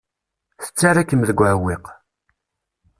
Tettarra-kem deg uɛewwiq.